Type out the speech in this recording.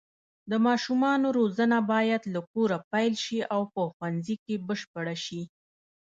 د ماشومانو روزنه باید له کوره پیل شي او په ښوونځي کې بشپړه شي.